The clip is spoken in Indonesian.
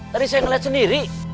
tadi saya ngeliat sendiri